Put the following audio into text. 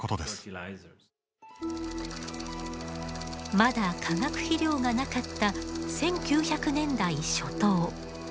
まだ化学肥料がなかった１９００年代初頭。